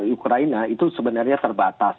ukraina itu sebenarnya terbatas